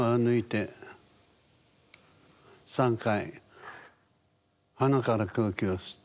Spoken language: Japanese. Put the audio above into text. ３回鼻から空気を吸って。